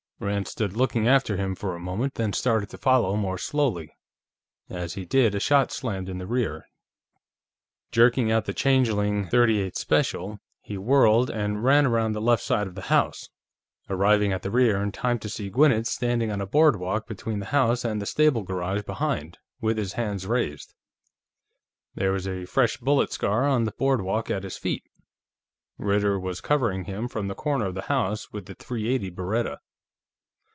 Rand stood looking after him for a moment, then started to follow more slowly; as he did, a shot slammed in the rear. Jerking out the changeling .38 special, he whirled and ran around the left side of the house, arriving at the rear in time to see Gwinnett standing on a boardwalk between the house and the stable garage behind, with his hands raised. There was a fresh bullet scar on the boardwalk at his feet. Ritter was covering him from the corner of the house with the .380 Beretta.